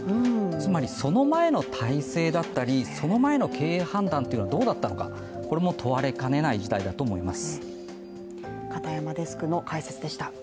つまりその前の体制だったり、その前の経営判断というのはどうだったのかというのも問われかねない事態だと思います。